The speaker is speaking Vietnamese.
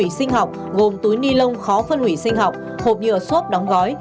sản phẩm sinh học gồm túi ni lông khó phân hủy sinh học hộp nhựa xốp đóng gói